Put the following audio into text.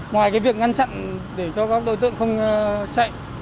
ngoài việc ngăn chặn để cho các đối tượng không chạy